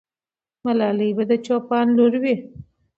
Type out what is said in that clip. ملالۍ به د چوپان لور وي.